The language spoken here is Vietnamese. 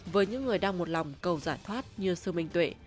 với những người đang một lòng cầu giải thoát như sư minh tuệ